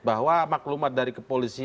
bahwa maklumat dari kepolisian